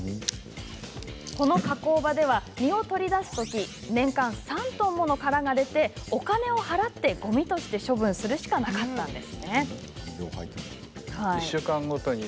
この加工場では実を取り出すとき年間３トンもの殻が出てお金を払って、ごみとして処分するしかなかったんです。